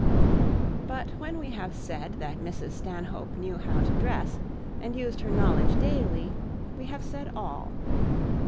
But when we have said that Mrs Stanhope knew how to dress, and used her knowledge daily, we have said all.